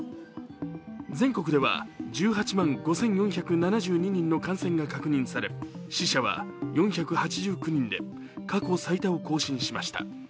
全国では１８万５４７２人の感染が確認され死者は４８９人で過去最多を更新しました。